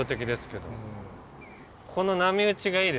この波打ちがいいですね。